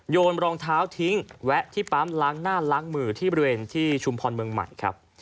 โยนรองเท้าทิ้งแวะที่ปั๊มล้างหน้าล้างมือที่บริเวณที่ชุมพรเมืองใหม่ครับ